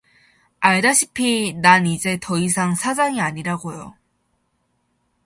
알다시피, 난 이제 더이상 사장이 아니라고요.